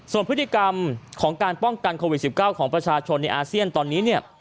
ส่วนพฤติกรรมของการป้องกันโควิด๑๙ของประชาชนในอาเซียนตอนนี้เนี่ย